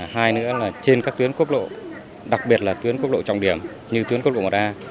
hai nữa là trên các tuyến quốc lộ đặc biệt là tuyến quốc lộ trọng điểm như tuyến quốc lộ một a